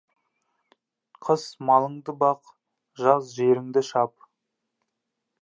Қыс малыңды бақ, жаз жеріңді шап.